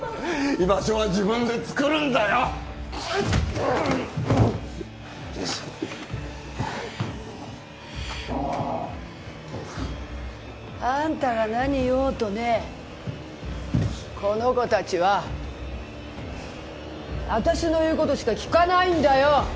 居場所は自分でつくるんだよあんたが何言おうとねこの子達は私の言うことしか聞かないんだよ